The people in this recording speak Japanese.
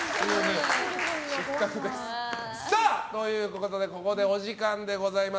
失格！ということでここでお時間でございます。